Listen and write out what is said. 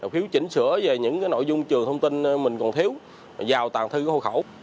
phiếu chỉnh sửa về những nội dung trường thông tin mình còn thiếu vào tạm thư hộ khẩu